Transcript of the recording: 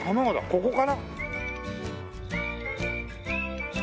ここかな？